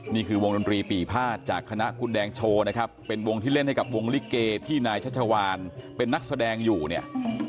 นี่คือวงดนตรีปีภาษณจากคณะคุณแดงโชว์นะครับเป็นวงที่เล่นให้กับวงลิเกที่นายชัชวานเป็นนักแสดงอยู่เนี่ย